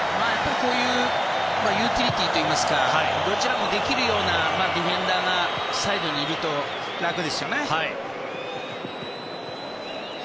こういうユーティリティーというかどちらもできるようなディフェンダーがサイドにいると楽ですよね。